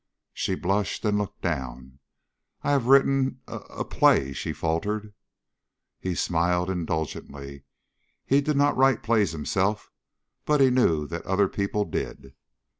She blushed and looked down. "I I have written a a play," she faltered. He smiled indulgently. He did not write plays himself but he knew that other people did.